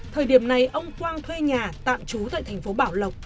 thời điểm này ông quang thuê nhà tạm trú tại thành phố bảo lộc